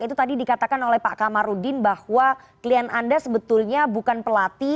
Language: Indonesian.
itu tadi dikatakan oleh pak kamarudin bahwa klien anda sebetulnya bukan pelatih